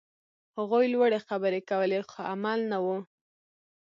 هغوی لوړې خبرې کولې، خو عمل نه و.